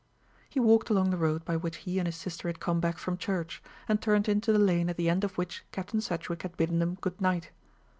He walked along the road by which he and his sister had come back from church, and turned into the lane at the end of which Captain Sedgewick had bidden them good night.